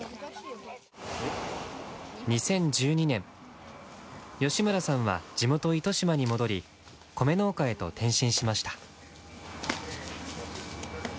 ２０１２年吉村さんは地元糸島に戻り米農家へと転身しました。